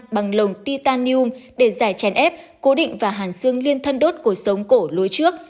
bằng lồng titanium để giải chèn ép cố định và hàn xương liên thân đốt của sống cổ lối trước